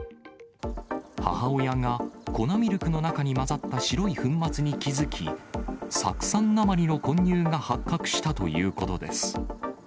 母親が粉ミルクの中に混ざった白い粉末に気付き、酢酸鉛の混入が発覚したということです。